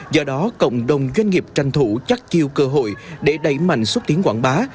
do đó cộng đồng doanh nghiệp tranh thủ chắc chiêu cơ hội để đẩy mạnh xúc tiến quảng bá